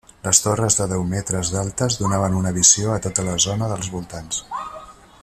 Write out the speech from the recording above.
Les torres de deu metres d'altes donaven una visió a tota la zona dels voltants.